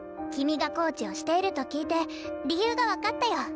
君がコーチをしていると聞いて理由が分かったよ。